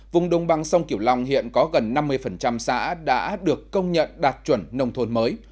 vùng đồng bằng sông kiểu long hiện có gần năm mươi xã đã được công nhận đạt chuẩn nông thôn mới